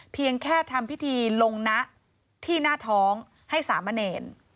เพียงแค่ทำพิธีลงนะที่หน้าท้องให้สามเณร